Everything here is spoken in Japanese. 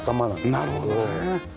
なるほどね。